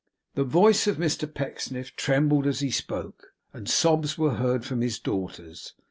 The voice of Mr Pecksniff trembled as he spoke, and sobs were heard from his daughters.